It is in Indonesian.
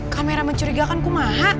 kamera mencurigakan kumaha